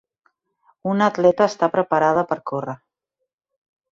Una atleta està preparada per córrer.